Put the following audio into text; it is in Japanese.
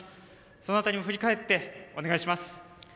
その辺りも振り返ってお願いします。